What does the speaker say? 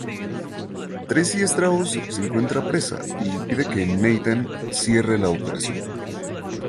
Tracy Strauss se encuentra presa, y pide que Nathan cierre la operación.